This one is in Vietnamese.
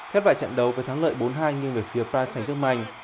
khép lại trận đấu với thắng lợi bốn hai nhưng về phía paris saint germain